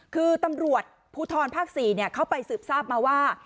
คือตำรวจภูทรภาค๔เข้าไปสืบทราบมาว่า